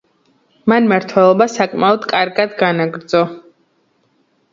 მან მმართველობა საკმაოდ კარგად განაგრძო.